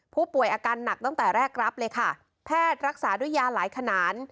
ผู้ป่วยอาการหนักตั้งแต่แรกรับเลยค่ะแพทย์รักษาด้วยยาหลายขนาด